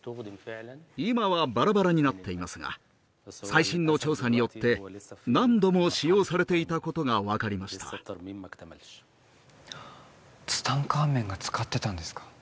今はバラバラになっていますが最新の調査によって何度も使用されていたことが分かりましたツタンカーメンが使ってたんですか？